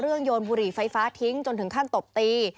โยนบุหรี่ไฟฟ้าทิ้งจนถึงขั้นตบตี